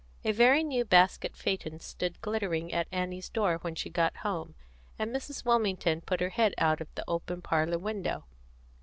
A very new basket phaeton stood glittering at Annie's door when she got home, and Mrs. Wilmington put her head out of the open parlour window.